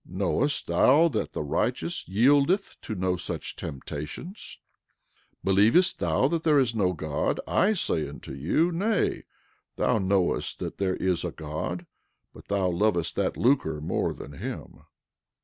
Knowest thou that the righteous yieldeth to no such temptations? 11:24 Believest thou that there is no God? I say unto you, Nay, thou knowest that there is a God, but thou lovest that lucre more than him.